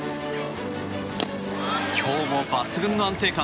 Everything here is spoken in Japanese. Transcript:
今日も抜群の安定感。